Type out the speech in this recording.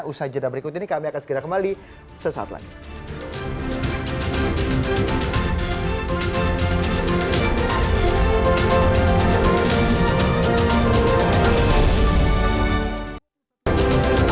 usaha jenah berikut ini kami akan segera kembali sesaat lagi